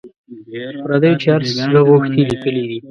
پردیو چي هر څه زړه غوښتي لیکلي دي.